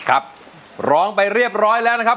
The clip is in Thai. ครับร้องไปเรียบร้อยแล้วนะครับ